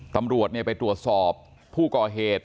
ตำรวจไปตรวจสอบผู้ก่อเหตุ